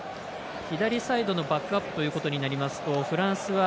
左サイドのバックアップということになりますとフランスは